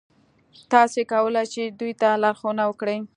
تاسې کولای شئ چې دوی ته لارښوونه وکړئ.